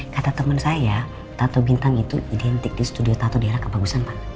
kata teman saya tato bintang itu identik di studio tato di era kebagusan pak